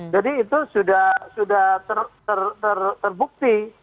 jadi itu sudah terbukti